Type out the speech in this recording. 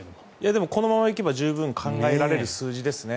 でも、このまま行けば十分考えられる数字ですね。